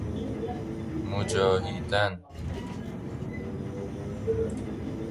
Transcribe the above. مجاهیدن